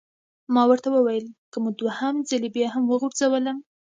ما ورته وویل: که مو دوهم ځلي بیا وغورځولم!